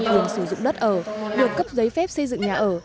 quyền sử dụng đất ở được cấp giấy phép xây dựng nhà ở